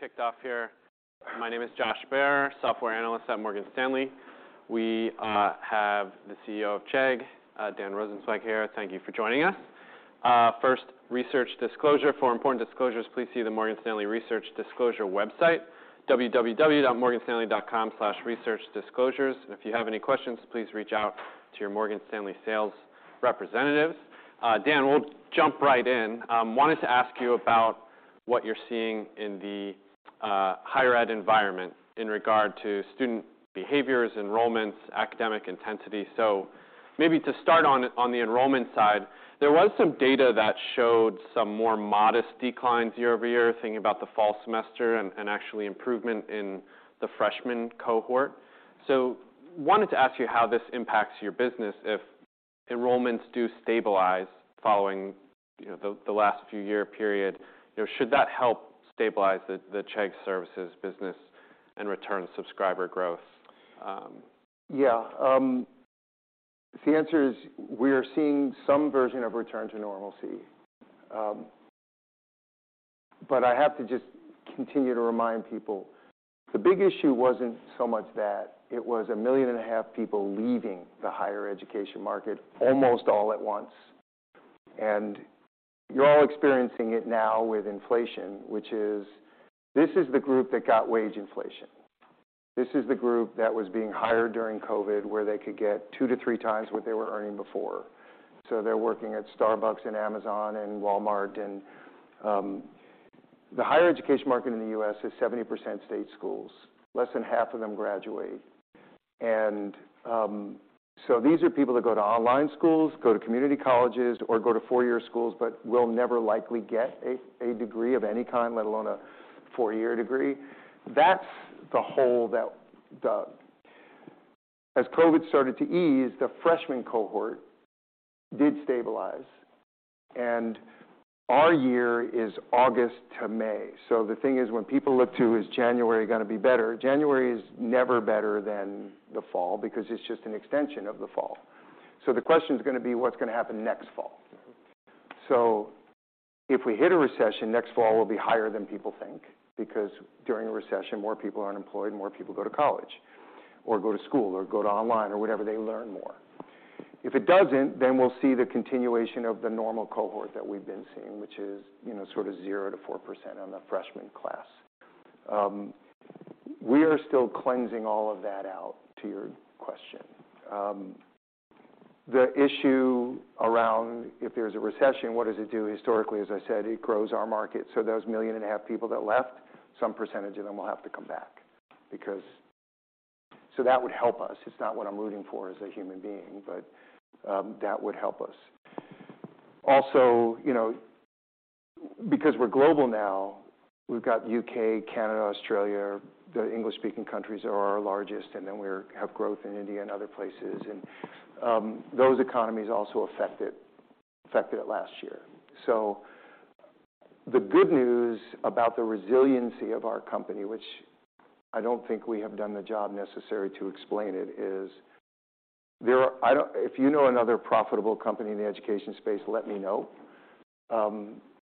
Get kicked off here. My name is Josh Baer, software analyst at Morgan Stanley. We have the CEO of Chegg, Dan Rosensweig here. Thank you for joining us. First, research disclosure. For important disclosures, please see the Morgan Stanley Research Disclosure website, www.morganstanley.com/researchdisclosures. If you have any questions, please reach out to your Morgan Stanley sales representative. Dan, we'll jump right in. Wanted to ask you about what you're seeing in the higher ed environment in regard to student behaviors, enrollments, academic intensity. Maybe to start on the enrollment side, there was some data that showed some more modest declines year-over-year, thinking about the fall semester and actually improvement in the freshman cohort. Wanted to ask you how this impacts your business if enrollments do stabilize following, you know, the last few year period. You know, should that help stabilize the Chegg Services business and return subscriber growth? Yeah. The answer is we are seeing some version of return to normalcy. I have to just continue to remind people, the big issue wasn't so much that it was 1.5 million people leaving the higher education market almost all at once. You're all experiencing it now with inflation, which is this is the group that got wage inflation. This is the group that was being hired during COVID, where they could get two to three times what they were earning before. They're working at Starbucks, and Amazon, and Walmart. The higher education market in the U.S. is 70% state schools. Less than half of them graduate. These are people that go to online schools, go to community colleges, or go to four-year schools, but will never likely get a degree of any kind, let alone a four-year degree. That's the hole that was dug. As COVID started to ease, the freshman cohort did stabilize. Our year is August to May, so the thing is, when people look to, is January gonna be better, January is never better than the fall because it's just an extension of the fall. The question's gonna be, what's gonna happen next fall? If we hit a recession, next fall will be higher than people think because during a recession, more people are unemployed, and more people go to college or go to school or go to online or whatever. They learn more. If it doesn't, we'll see the continuation of the normal cohort that we've been seeing, which is, you know, sort of 0% to 4% on the freshman class. We are still cleansing all of that out, to your question. The issue around if there's a recession, what does it do historically? As I said, it grows our market, so those 1.5 million people that left, some percentage of them will have to come back because. That would help us. It's not what I'm rooting for as a human being, but that would help us. You know, because we're global now, we've got U.K., Canada, Australia. The English-speaking countries are our largest, and then we have growth in India and other places and those economies also affected it last year. The good news about the resiliency of our company, which I don't think we have done the job necessary to explain it, is If you know another profitable company in the education space, let me know.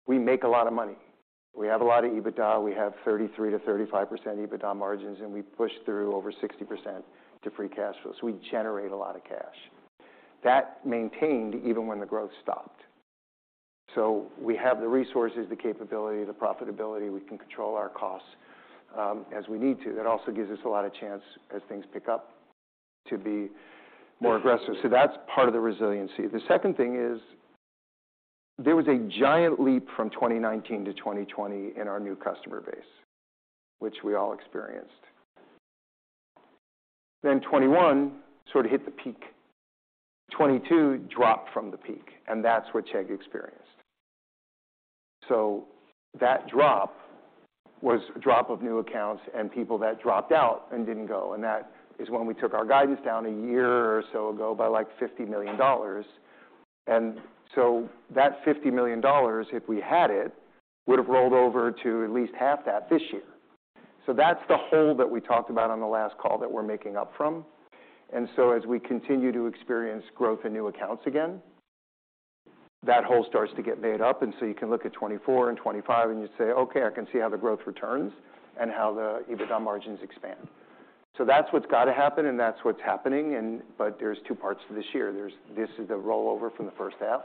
We make a lot of money. We have a lot of EBITDA. We have 33% to 35% EBITDA margins, and we push through over 60% to free cash flow. We generate a lot of cash. That maintained even when the growth stopped. We have the resources, the capability, the profitability. We can control our costs, as we need to. That also gives us a lot of chance as things pick up to be more aggressive. That's part of the resiliency. The second thing is, there was a giant leap from 2019 to 2020 in our new customer base, which we all experienced. 2021 sort of hit the peak. 2022 dropped from the peak, and that's what Chegg experienced. That drop was a drop of new accounts and people that dropped out and didn't go, and that is when we took our guidance down a year or so ago by, like, $50 million. That $50 million, if we had it, would've rolled over to at least half that this year. That's the hole that we talked about on the last call that we're making up from. As we continue to experience growth in new accounts again, that hole starts to get made up. You can look at 2024 and 2025 and you say, "Okay. I can see how the growth returns and how the EBITDA margins expand. That's what's gotta happen, and that's what's happening. There's two parts to this year. This is the rollover from the H1,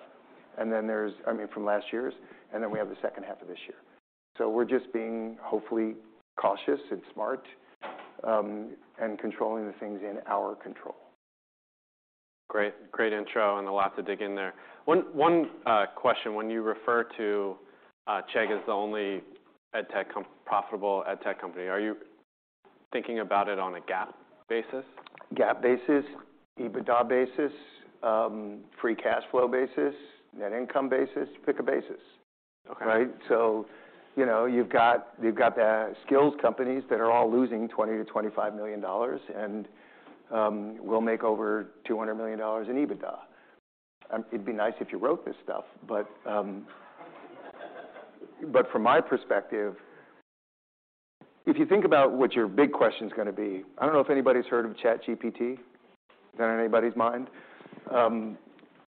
I mean, from last year's, and then we have the H2 of this year. We're just being, hopefully, cautious and smart, and controlling the things in our control. Great. Great intro. A lot to dig in there. One question. When you refer to Chegg as the only profitable edtech company, are you thinking about it on a GAAP basis? GAAP basis, EBITDA basis, free cash flow basis, net income basis. Pick a basis. Okay. Right? You know, you've got, you've got the skills companies that are all losing $20 million to $25 million and we'll make over $200 million in EBITDA. It'd be nice if you wrote this stuff. From my perspective, if you think about what your big question's gonna be, I don't know if anybody's heard of ChatGPT? Is that on anybody's mind?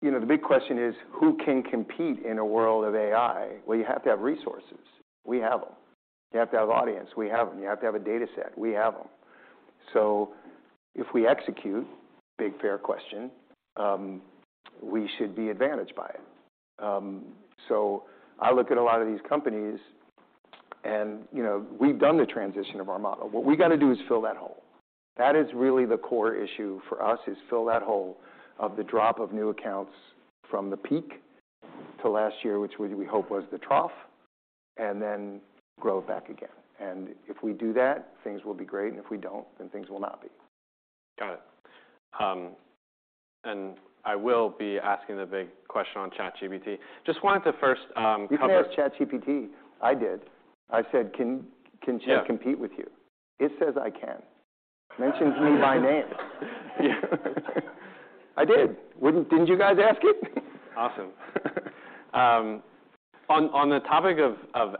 You know, the big question is, who can compete in a world of AI where you have to have resources? We have them. You have to have audience. We have them. You have to have a dataset. We have them. If we execute, big fair question, we should be advantaged by it. I look at a lot of these companies and, you know, we've done the transition of our model. What we got to do is fill that hole. That is really the core issue for us, is fill that hole of the drop of new accounts from the peak to last year, which we hope was the trough, and then grow it back again. If we do that, things will be great, and if we don't, then things will not be. Got it. I will be asking the big question on ChatGPT. Just wanted to first. You can ask ChatGPT. I did. I said, "Can Chegg compete with you? Yeah. It says, "I can." Mentions me by name. I did. Didn't you guys ask it? Awesome. On the topic of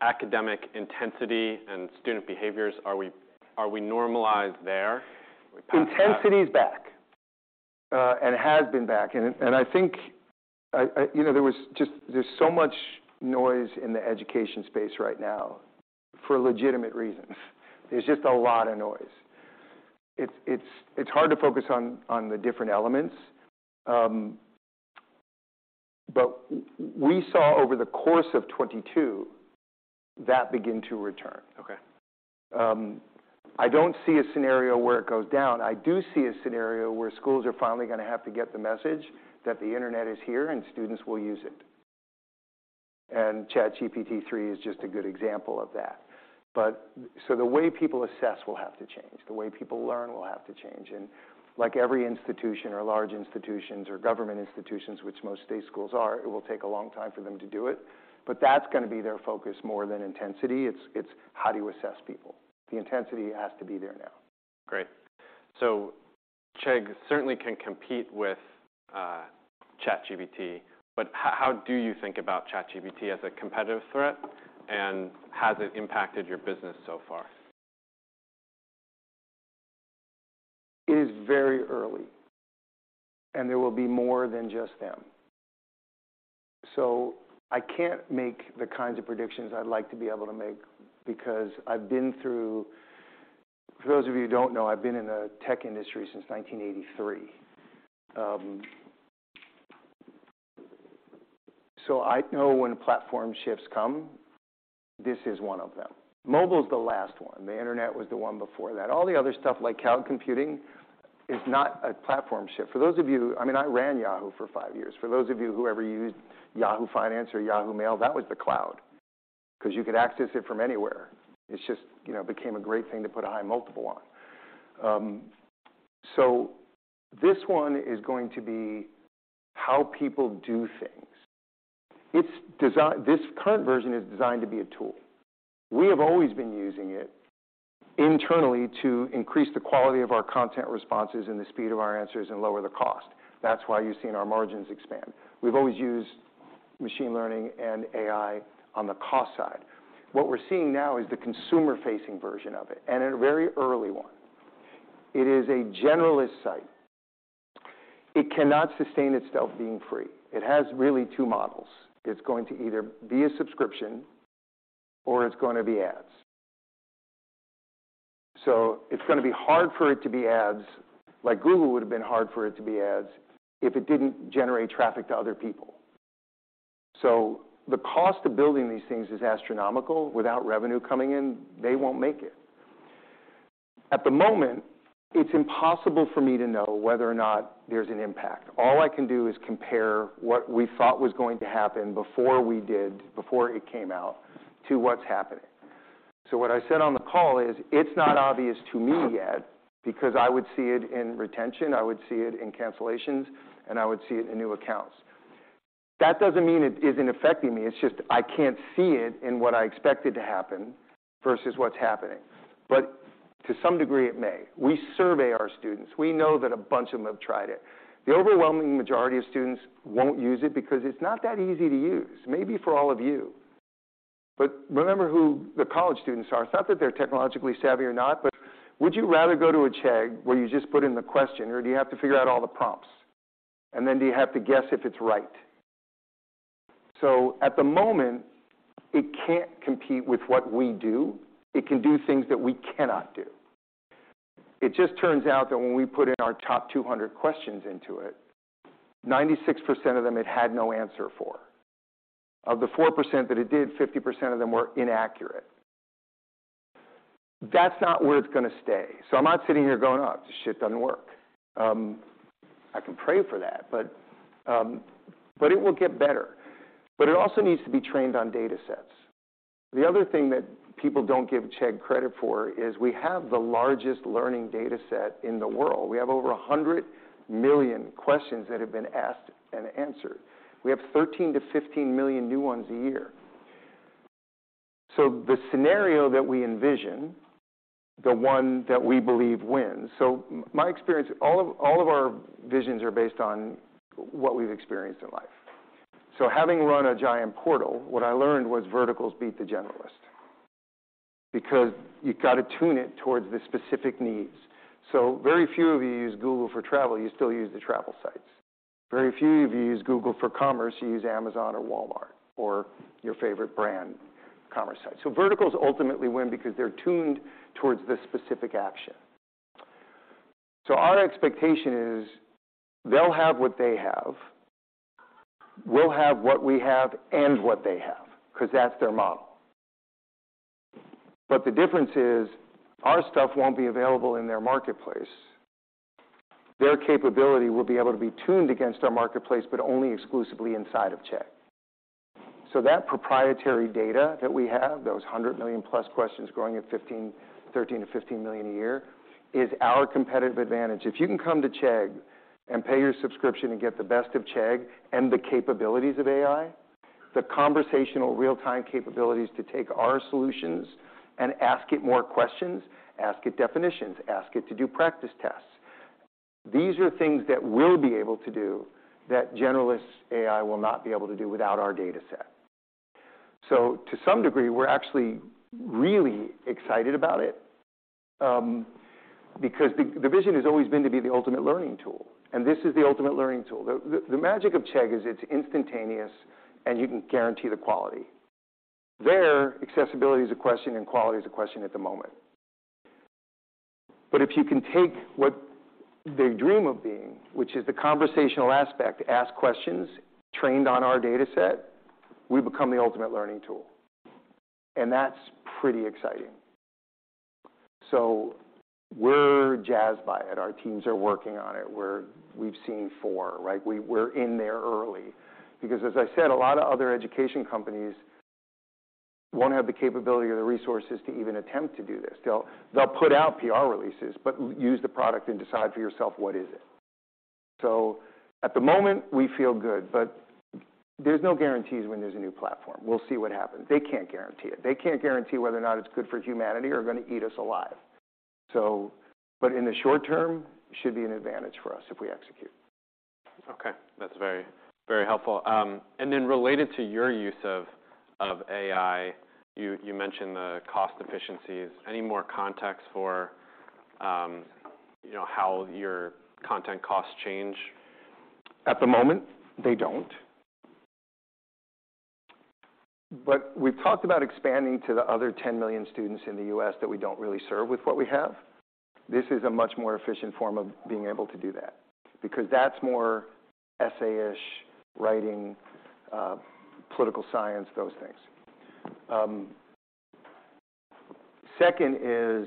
academic intensity and student behaviors, are we normalized there? Are we past that? Intensity is back, and has been back and I think there's so much noise in the education space right now for legitimate reasons. There's just a lot of noise. It's hard to focus on the different elements. We saw over the course of 2022 that begin to return. Okay. I don't see a scenario where it goes down. I do see a scenario where schools are finally gonna have to get the message that the internet is here and students will use it. ChatGPT-3 is just a good example of that. The way people assess will have to change. The way people learn will have to change. Like every institution or large institutions or government institutions, which most state schools are, it will take a long time for them to do it, but that's gonna be their focus more than intensity. It's how do you assess people? The intensity has to be there now. Great. Chegg certainly can compete with ChatGPT, how do you think about ChatGPT as a competitive threat, has it impacted your business so far? It is very early, there will be more than just them. I can't make the kinds of predictions I'd like to be able to make because I've been through. For those of you who don't know, I've been in the tech industry since 1983. I know when platform shifts come, this is one of them. Mobile's the last one. The internet was the one before that. All the other stuff like cloud computing is not a platform shift. For those of you, I mean, I ran Yahoo for five years. For those of you who ever used Yahoo Finance or Yahoo Mail, that was the cloud because you could access it from anywhere. It's just, you know, became a great thing to put a high multiple on. This one is going to be how people do things. This current version is designed to be a tool. We have always been using it internally to increase the quality of our content responses and the speed of our answers and lower the cost. That's why you've seen our margins expand. We've always used machine learning and AI on the cost side. What we're seeing now is the consumer-facing version of it, and a very early one. It is a generalist site. It cannot sustain itself being free. It has really two models. It's going to either be a subscription or it's gonna be ads. It's gonna be hard for it to be ads like Google would've been hard for it to be ads if it didn't generate traffic to other people. The cost of building these things is astronomical. Without revenue coming in, they won't make it. At the moment, it's impossible for me to know whether or not there's an impact. All I can do is compare what we thought was going to happen before we did, before it came out, to what's happening. What I said on the call is, it's not obvious to me yet because I would see it in retention, I would see it in cancellations, and I would see it in new accounts. That doesn't mean it isn't affecting me. It's just I can't see it in what I expected to happen versus what's happening. To some degree, it may. We survey our students. We know that a bunch of them have tried it. The overwhelming majority of students won't use it because it's not that easy to use. Maybe for all of you, but remember who the college students are. It's not that they're technologically savvy or not, but would you rather go to a Chegg where you just put in the question or do you have to figure out all the prompts, and then do you have to guess if it's right? At the moment, it can't compete with what we do. It can do things that we cannot do. It just turns out that when we put in our top 200 questions into it, 96% of them it had no answer for. Of the 4% that it did, 50% of them were inaccurate. That's not where it's gonna stay. I'm not sitting here going, "Oh, this shit doesn't work." I can pray for that, but it will get better. It also needs to be trained on data sets. The other thing that people don't give Chegg credit for is we have the largest learning data set in the world. We have over 100 million questions that have been asked and answered. We have 13 million to 15 million new ones a year. The scenario that we envision, the one that we believe wins. My experience, all of our visions are based on what we've experienced in life. Having run a giant portal, what I learned was verticals beat the generalist because you've got to tune it towards the specific needs. Very few of you use Google for travel, you still use the travel sites. Very few of you use Google for commerce, you use Amazon or Walmart or your favorite brand commerce site. Verticals ultimately win because they're tuned towards the specific action. Our expectation is they'll have what they have, we'll have what we have and what they have, because that's their model. The difference is our stuff won't be available in their marketplace. Their capability will be able to be tuned against our marketplace, but only exclusively inside of Chegg. That proprietary data that we have, those 100 million plus questions growing at 13 to 15 million a year, is our competitive advantage. If you can come to Chegg and pay your subscription and get the best of Chegg and the capabilities of AI, the conversational real-time capabilities to take our solutions and ask it more questions, ask it definitions, ask it to do practice tests, these are things that we'll be able to do that generalist AI will not be able to do without our data set. To some degree, we're actually really excited about it, because the vision has always been to be the ultimate learning tool, and this is the ultimate learning tool. The magic of Chegg is it's instantaneous and you can guarantee the quality. Their accessibility is a question, and quality is a question at the moment. If you can take what they dream of being, which is the conversational aspect, ask questions trained on our data set, we become the ultimate learning tool, and that's pretty exciting. We're jazzed by it. Our teams are working on it. We've seen four, right? We're in there early because as I said, a lot of other education companies won't have the capability or the resources to even attempt to do this. They'll put out PR releases, but use the product and decide for yourself what is it. At the moment, we feel good, but there's no guarantees when there's a new platform. We'll see what happens. They can't guarantee it. They can't guarantee whether or not it's good for humanity or gonna eat us alive. In the short term, should be an advantage for us if we execute. Okay. That's very helpful. Related to your use of AI, you mentioned the cost efficiencies. Any more context for, you know, how your content costs change? At the moment, they don't. We've talked about expanding to the other 10 million students in the U.S. that we don't really serve with what we have. This is a much more efficient form of being able to do that because that's more essay-ish writing, political science, those things. Second is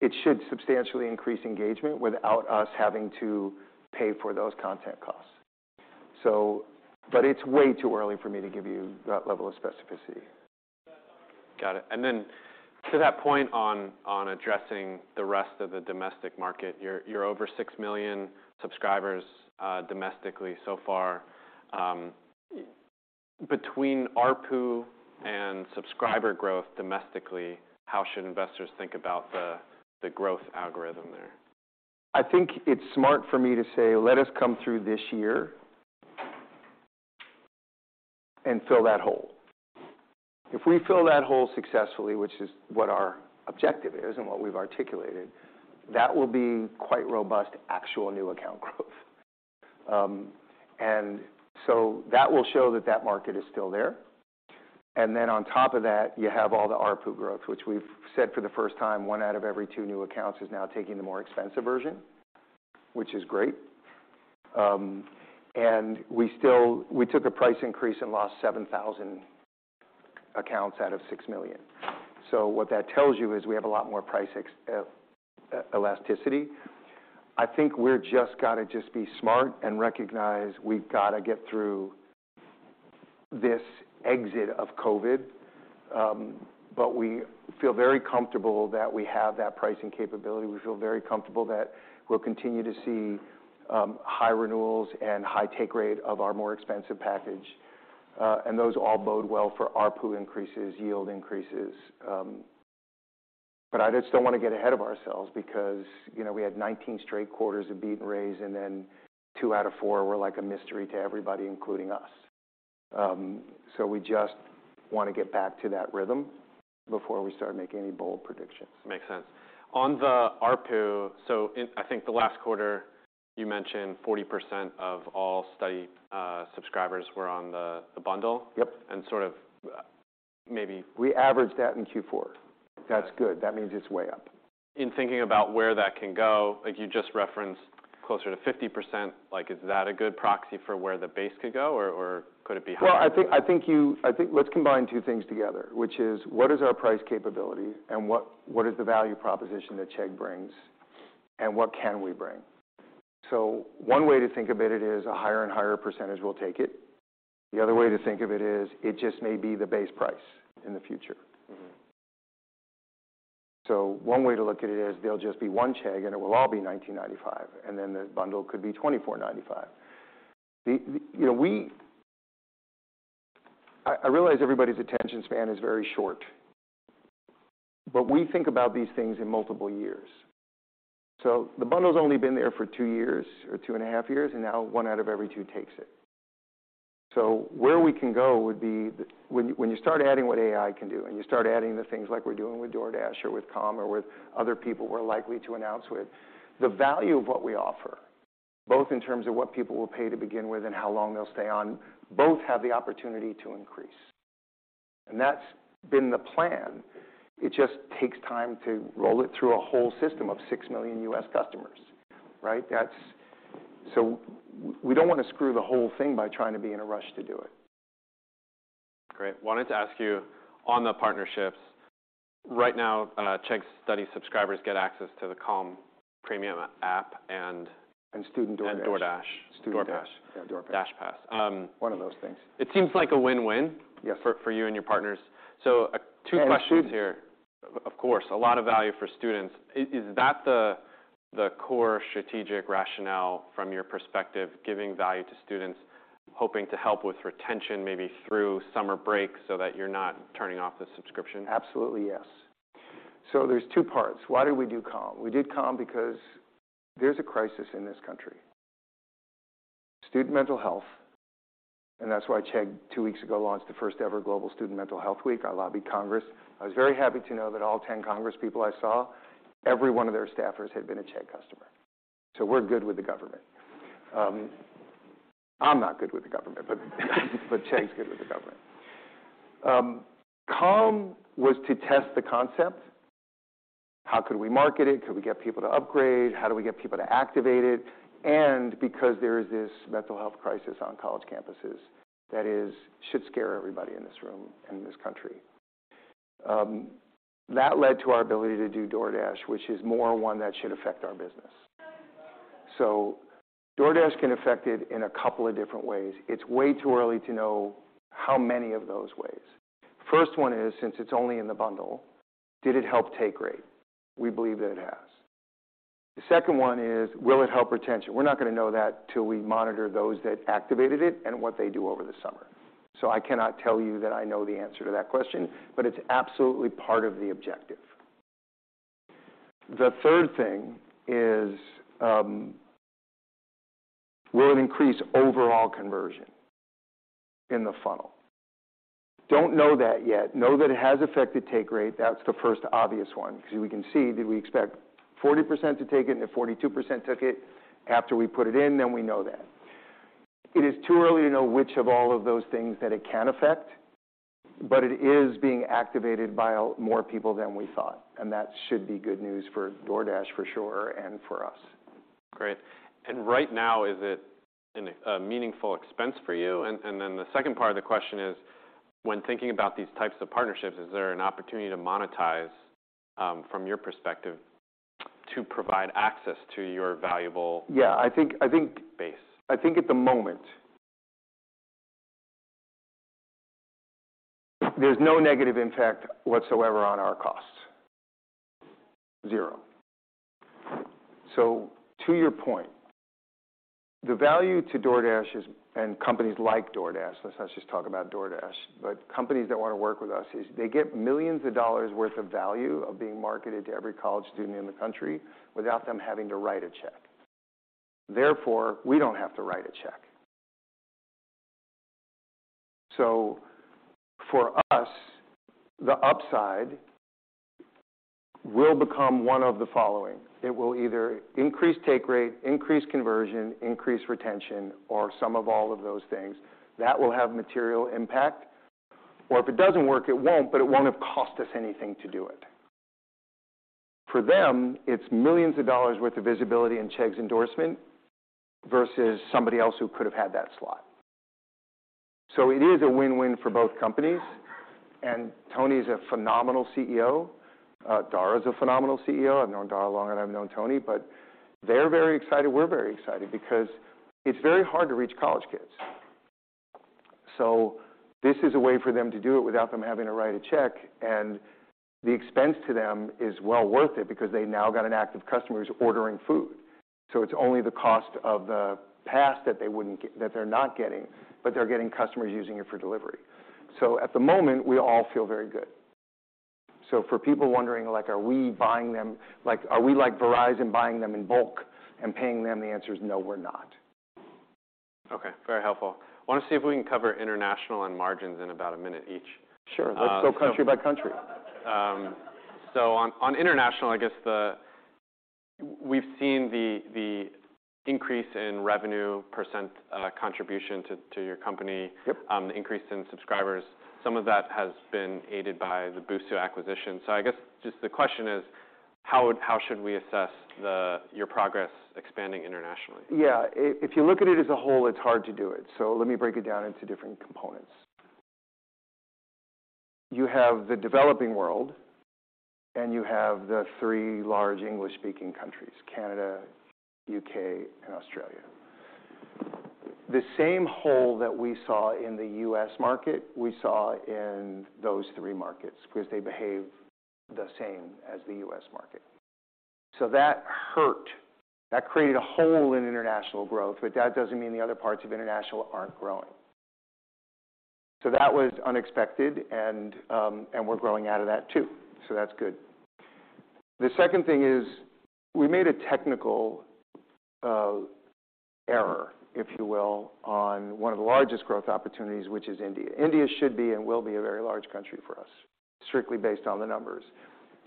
it should substantially increase engagement without us having to pay for those content costs. It's way too early for me to give you that level of specificity. Got it. To that point on addressing the rest of the domestic market, you're over 6 million subscribers domestically so far. Between ARPU and subscriber growth domestically, how should investors think about the growth algorithm there? I think it's smart for me to say, let us come through this year and fill that hole. If we fill that hole successfully, which is what our objective is and what we've articulated, that will be quite robust actual new account growth. That will show that that market is still there. On top of that, you have all the ARPU growth, which we've said for the first time, one out of every two new accounts is now taking the more expensive version, which is great. We took a price increase and lost 7,000 accounts out of 6 million. What that tells you is we have a lot more price elasticity. I think we're just got to just be smart and recognize we've got to get through this exit of COVID. We feel very comfortable that we have that pricing capability. We feel very comfortable that we'll continue to see high renewals and high take rate of our more expensive package. Those all bode well for ARPU increases, yield increases. I just don't wanna get ahead of ourselves because, you know, we had 19 straight quarters of beat and raise, and then two out of four were like a mystery to everybody, including us. We just wanna get back to that rhythm before we start making any bold predictions. Makes sense. On the ARPU, I think the last quarter, you mentioned 40% of all study subscribers were on the bundle. Yep. sort of. We averaged that in Q4. That's good. That means it's way up. In thinking about where that can go, like you just referenced closer to 50%. Like is that a good proxy for where the base could go or could it be higher? Well, I think, let's combine two things together, which is what is our price capability and what is the value proposition that Chegg brings and what can we bring? One way to think about it is a higher and higher percentage will take it. The other way to think of it is it just may be the base price in the future. One way to look at it is there'll just be one Chegg and it will all be $19.95, and then the bundle could be $24.95. I realize everybody's attention span is very short, but we think about these things in multiple years. The bundle's only been there for two years or two and a half years, and now one out of every two takes it. Where we can go would be when you start adding what AI can do and you start adding the things like we're doing with DoorDash or with Calm or with other people we're likely to announce with, the value of what we offer, both in terms of what people will pay to begin with and how long they'll stay on, both have the opportunity to increase. That's been the plan. It just takes time to roll it through a whole system of 6 million U.S. customers, right? We don't want to screw the whole thing by trying to be in a rush to do it. Great. Wanted to ask you on the partnerships. Right now, Chegg Study subscribers get access to the Calm Premium app. Student DoorDash. And DoorDash. Student DoorDash. DoorDash. Yeah, DoorDash. DashPass. One of those things. It seems like a win-win- Yes ...for you and your partners. Two questions here. The students. Of course. A lot of value for students. Is that the core strategic rationale from your perspective, giving value to students, hoping to help with retention maybe through summer break so that you're not turning off the subscription? Absolutely, yes. There's two parts. Why did we do Calm? We did Calm because there's a crisis in this country, student mental health, and that's why Chegg two weeks ago launched the first ever Global Student Mental Health Week. I lobbied Congress. I was very happy to know that all 10 congress people I saw, every one of their staffers had been a Chegg customer. We're good with the government. I'm not good with the government, but Chegg's good with the government. Calm was to test the concept. How could we market it? Could we get people to upgrade? How do we get people to activate it? Because there is this mental health crisis on college campuses that should scare everybody in this room and this country. That led to our ability to do DoorDash, which is more one that should affect our business. DoorDash can affect it in a couple of different ways. It's way too early to know how many of those ways. First one is, since it's only in the bundle, did it help take rate? We believe that it has. The second one is, will it help retention? We're not gonna know that till we monitor those that activated it and what they do over the summer. I cannot tell you that I know the answer to that question, but it's absolutely part of the objective. The third thing is, will it increase overall conversion in the funnel? Don't know that yet. Know that it has affected take rate. That's the first obvious one, because we can see, did we expect 40% to take it, and if 42% took it after we put it in, then we know that. It is too early to know which of all of those things that it can affect, but it is being activated by more people than we thought, and that should be good news for DoorDash for sure and for us. Great. Right now, is it an a meaningful expense for you? Then the second part of the question is, when thinking about these types of partnerships, is there an opportunity to monetize, from your perspective to provide access to your valuable- Yeah. I think.... base? I think at the moment there's no negative impact whatsoever on our costs. Zero. To your point, the value to DoorDash is, and companies like DoorDash, let's not just talk about DoorDash, but companies that wanna work with us is they get millions of dollars worth of value of being marketed to every college student in the country without them having to write a check. Therefore, we don't have to write a check. For us, the upside will become one of the following. It will either increase take rate, increase conversion, increase retention, or some of all of those things. That will have material impact. If it doesn't work, it won't, but it won't have cost us anything to do it. For them, it's millions of dollars worth of visibility and Chegg's endorsement versus somebody else who could have had that slot. It is a win-win for both companies. Tony is a phenomenal CEO. Dara's a phenomenal CEO. I've known Dara longer than I've known Tony. They're very excited, we're very excited because it's very hard to reach college kids. This is a way for them to do it without them having to write a check, and the expense to them is well worth it because they now got an active customers ordering food. It's only the cost of the pass that they wouldn't get that they're not getting, but they're getting customers using it for delivery. At the moment, we all feel very good. For people wondering, like, are we buying them. Like, are we like Verizon buying them in bulk and paying them? The answer is no, we're not. Okay. Very helpful. Wanna see if we can cover international and margins in about a minute each. Sure. Let's go country by country. On international, I guess we've seen the increase in revenue percent contribution to your company. Yep... and increase in subscribers. Some of that has been aided by the Busuu acquisition. I guess just the question is: How should we assess your progress expanding internationally? Yeah. If you look at it as a whole, it's hard to do it. Let me break it down into different components. You have the developing world, and you have the three large English-speaking countries, Canada, U.K., and Australia. The same hole that we saw in the US market, we saw in those three markets because they behave the same as the US market. That hurt. That created a hole in international growth, but that doesn't mean the other parts of international aren't growing. That was unexpected and we're growing out of that too. That's good. The second thing is we made a technical error, if you will, on one of the largest growth opportunities, which is India. India should be and will be a very large country for us, strictly based on the numbers.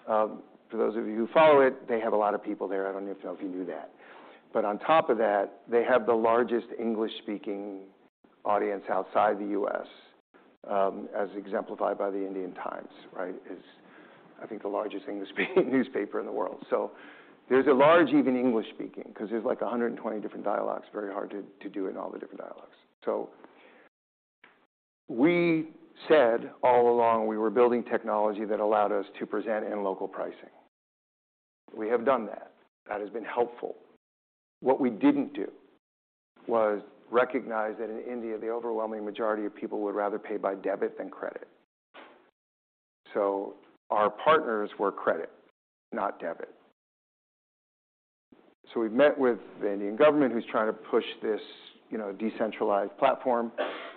For those of you who follow it, they have a lot of people there. I don't even know if you knew that. On top of that, they have the largest English-speaking audience outside the U.S., as exemplified by The Times of India, right? Is, I think, the largest English-speaking newspaper in the world. There's a large even English-speaking, because there's like 120 different dialects. Very hard to do in all the different dialects. We said all along we were building technology that allowed us to present in local pricing. We have done that. That has been helpful. What we didn't do was recognize that in India, the overwhelming majority of people would rather pay by debit than credit. Our partners were credit, not debit. We've met with the Indian government who's trying to push this, you know, decentralized platform.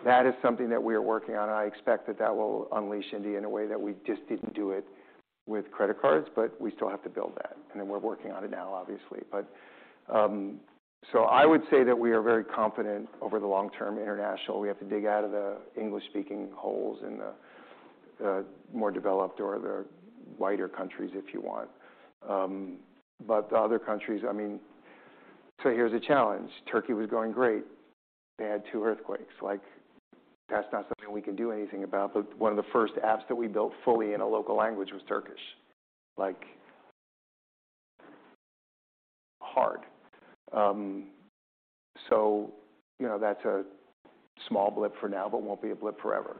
That is something that we are working on, and I expect that that will unleash India in a way that we just didn't do it with credit cards, but we still have to build that, and then we're working on it now, obviously. I would say that we are very confident over the long-term international. We have to dig out of the English-speaking holes in the more developed or the wider countries, if you want. The other countries, I mean. Here's a challenge. Turkey was going great. They had two earthquakes. Like, that's not something we can do anything about. One of the first apps that we built fully in a local language was Turkish. Like, hard. You know, that's a small blip for now, but won't be a blip forever.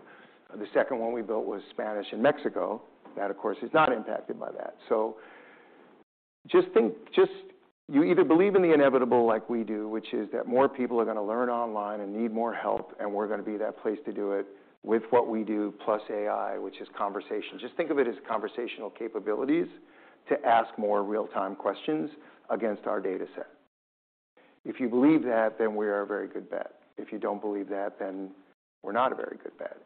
The second one we built was Spanish in Mexico. That, of course, is not impacted by that. Just think, just you either believe in the inevitable like we do, which is that more people are gonna learn online and need more help, and we're gonna be that place to do it with what we do, plus AI, which is conversation. Just think of it as conversational capabilities to ask more real-time questions against our data set. If you believe that, then we are a very good bet. If you don't believe that, then we're not a very good bet.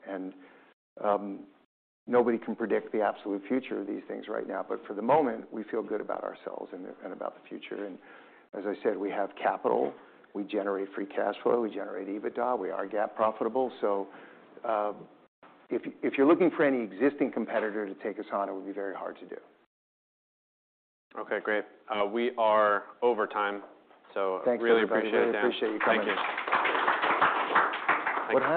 Nobody can predict the absolute future of these things right now, but for the moment, we feel good about ourselves and about the future. As I said, we have capital. We generate free cash flow. We generate EBITDA. We are GAAP profitable. If you're looking for any existing competitor to take us on, it would be very hard to do. Okay, great. We are over time. Really appreciate it, Dan. Thanks everybody. I appreciate you coming. Thank you.